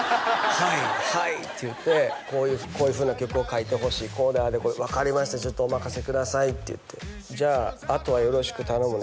「はいはい」って言ってこういうふうな曲を書いてほしいこうでああでこうで「分かりましたちょっとお任せください」って言って「じゃああとはよろしく頼むね」